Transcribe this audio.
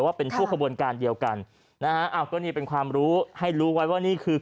ว่าเป็นพวกขบวนการเดียวกันนะฮะอ้าวก็นี่เป็นความรู้ให้รู้ไว้ว่านี่คือ